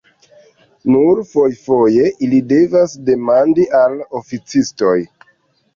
Nur fojfoje ili devas demandi al oficistoj.